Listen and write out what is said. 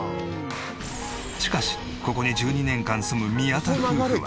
しかしここに１２年間住む宮田夫婦は。